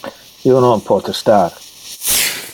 Io non pote star.